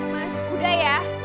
mas udah ya